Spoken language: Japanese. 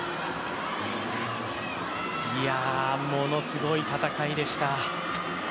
ものすごい戦いでした。